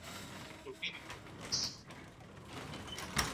Errusiako lehen hiru mailetako taldeek jokatzen dute.